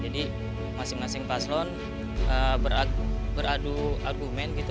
jadi masing masing paslon beradu argumen gitu